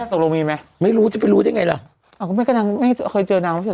อืมไม่รู้จะไปรู้ได้ไงล่ะอ่าก็ไม่กระดังไม่เคยเจอนานว่า